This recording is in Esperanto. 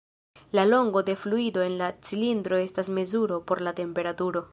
La longo de fluido en la cilindro estas mezuro por la temperaturo.